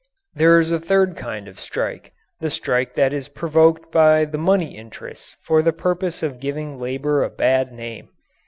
There is a third kind of strike the strike that is provoked by the money interests for the purpose of giving labour a bad name.